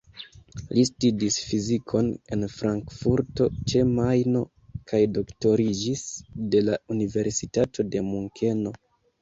Li studis fizikon en Frankfurto ĉe Majno kaj doktoriĝis de la Universitato de Munkeno.